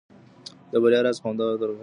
د بریا راز په دوامداره هڅه کي دی.